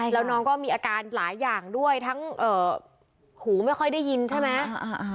แล้วน้องก็มีอาการหลายอย่างด้วยทั้งหูไม่ค่อยได้ยินใช่ไหม